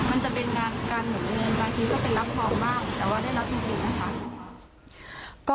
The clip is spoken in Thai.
มันจะเป็นงานการหนุนเงินบางทีก็เป็นรับรองบ้างแต่ว่าได้รับจริงนะคะ